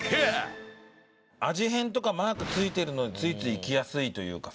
味変とかマーク付いてるのついついいきやすいというかさ。